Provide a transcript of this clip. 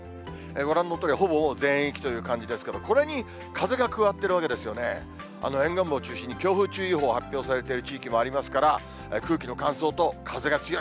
ご覧のとおり、ほぼほぼ全域という感じですけれども、これに風が加わっているわけですよね、沿岸部を中心に強風注意報発表されている地域もありますから、空気の乾燥と風が強い。